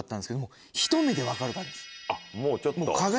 あっもうちょっと。